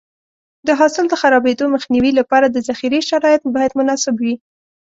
د حاصل د خرابېدو مخنیوي لپاره د ذخیرې شرایط باید مناسب وي.